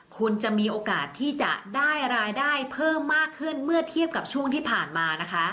คุณจะมีโอกาสที่จะได้รายได้เพิ่มมากขึ้นเมื่อเทียบกับช่วงที่ผ่านมานะคะ